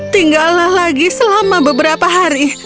tinggallah lagi selama beberapa hari